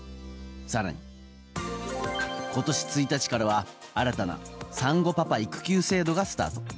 更に、今月１日からは新たな産後パパ育休制度がスタート。